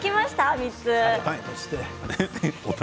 ３つ。